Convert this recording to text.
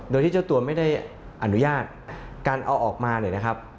โดยที่เจ้าตัวไม่ได้อนุญาตการเอาออกมาเนี่ยนะครับ